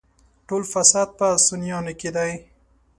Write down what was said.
ټول فساد په سنيانو کې دی.